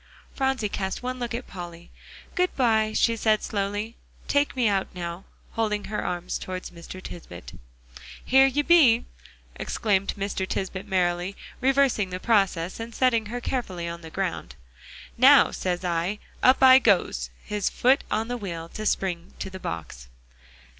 Phronsie cast one look at Polly. "Good by," she said slowly. "Take me out now," holding her arms towards Mr. Tisbett. "Here you be!" exclaimed Mr. Tisbett merrily, reversing the process, and setting her carefully on the ground. "Now, says I; up I goes," his foot on the wheel to spring to the box.